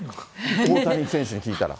大谷選手に聞いたら。